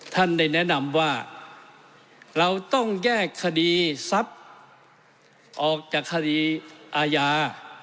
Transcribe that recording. ท่านได้แนะนำว่าเราต้องแยกคดีทรัพย์ออกจากคดีอาญา